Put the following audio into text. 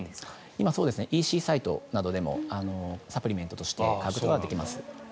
今、ＥＣサイトなどでもサプリメントとして買うことができます。